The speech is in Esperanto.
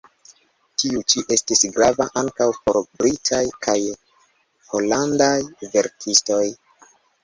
Tiu ĉi estis grava ankaŭ por britaj kaj holandaj verkistoj.